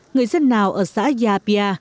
người dân nào ở xã gia pia